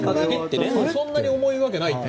そんなに重いわけないって。